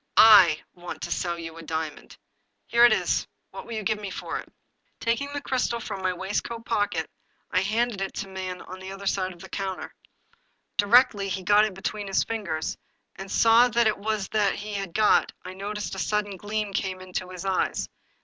"/ want to sell you a diamond. Here it is. What will you give me for it ?" Taking the crystal from my waistcoat pocket I handed it to the man on the other side of the counter. Directly 262 The Puzzle he got it between his fingers, and saw that it was that he had got, I noticed a sudden gleam come into his eyes.